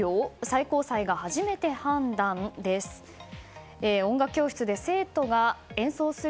最高裁が初めて判断です。